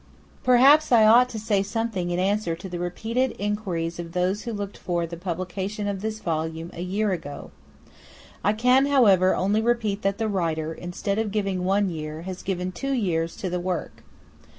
Perhaps I ought to say something in answer to the repeated inquiries of those who looked for the publication of this volume a year ago. I can, however, only reply that the Writer, instead of giving one year, has given two years to the work.